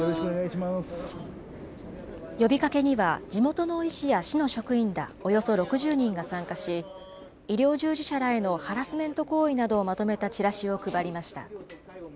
呼びかけには、地元の医師や市の職員らおよそ６０人が参加し、医療従事者らへのハラスメント行為などをまとめたチラシを配りました。